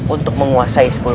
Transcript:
untuk menguasai sepuluh pusaka itu